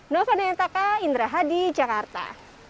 nova nayantaka indra hadi jakarta